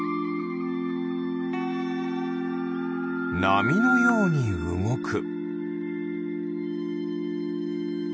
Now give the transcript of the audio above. なみのようにうごく。